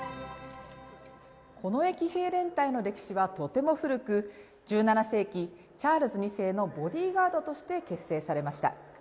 近衛騎兵連隊の歴史はとても古く１７世紀、チャールズ２世のボディーガードとして結成されました。